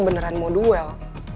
beneran mau duel